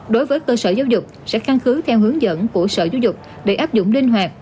đối với cơ sở giáo dục sẽ căn cứ theo hướng dẫn của sở giáo dục để áp dụng linh hoạt